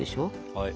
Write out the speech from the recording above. はい。